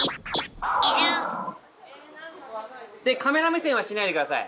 カメラ目線はしないでください。